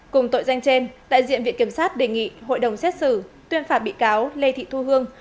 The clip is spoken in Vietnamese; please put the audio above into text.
cùng tội danh trên đại diện viện kiểm sát đề nghị hội đồng xét xử tuyên phạt bị cáo lê thị thu hương